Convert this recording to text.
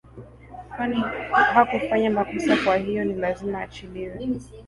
kwani hakufanya makosa kwa hiyo ni lazima aachiliwe